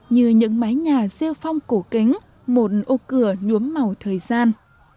như những mái nhà siêu phong cổ kính một ô cửa nhuốm màu thời gian